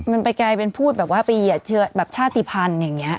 มันไปกลายเป็นพูดแบบว่าไปเหยียดเชื้อแบบชาติภัณฑ์อย่างนี้